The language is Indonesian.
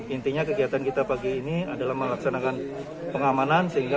intinya kegiatan kita pagi ini adalah melaksanakan pengamanan sehingga